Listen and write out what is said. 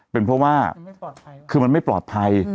เป็นเพราะว่าคือมันไม่ปลอดภัย